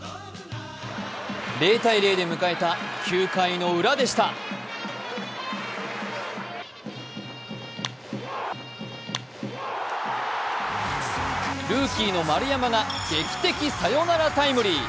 ０−０で迎えた９回の裏でしたルーキーの丸山が劇的サヨナラタイムリー。